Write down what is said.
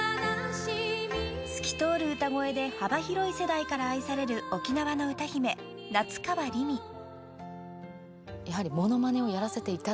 ［透き通る歌声で幅広い世代から愛される沖縄の歌姫夏川りみ］